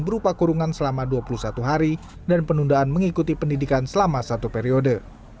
berupa kurungan selama dua puluh satu hari dan penundaan mengikuti pendidikan selama satu periode